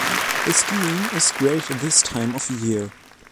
The skiing is great this time of year.